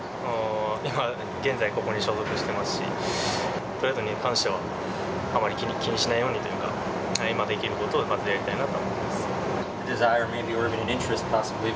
現在、ここに所属してますし、トレードに関しては、あまり気にしないようにというか、今できることをまずやりたいなと思ってます。